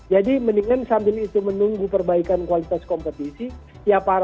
jadi mendingan sambil itu menunggu perbaikan kualitas kompetisi domestik kita harus menunggu